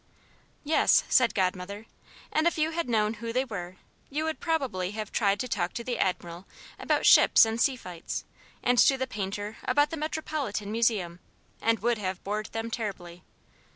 "Yes," said Godmother, "and if you had known who they were you would probably have tried to talk to the Admiral about ships and sea fights, and to the painter about the Metropolitan Museum, and would have bored them terribly.